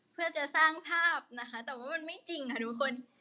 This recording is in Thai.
เพื่อจะสร้างภาพนะคะแต่ว่ามันไม่จริงค่ะทุกคน